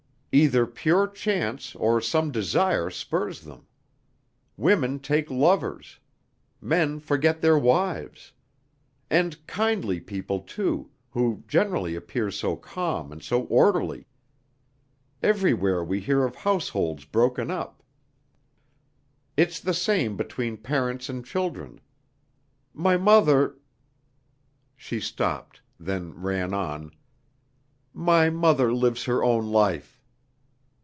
Either pure chance or some desire spurs them. Women take lovers. Men forget their wives. And kindly people, too, who generally appear so calm and so orderly! Everywhere we hear of households broken up. It's the same between parents and children. My mother...." She stopped, then ran on: "My mother lives her own life."